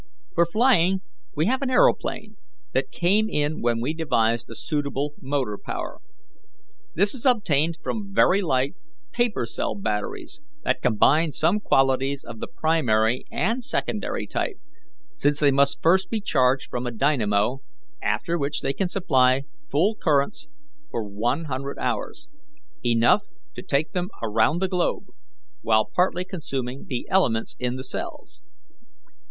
"For flying, we have an aeroplane that came in when we devised a suitable motor power. This is obtained from very light paper cell batteries that combine some qualities of the primary and secondary type, since they must first be charged from a dynamo, after which they can supply full currents for one hundred hours enough to take them around the globe while partly consuming the elements in the cells.